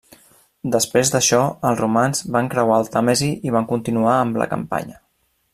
Després d'això els romans van creuar el Tàmesi i van continuar amb la campanya.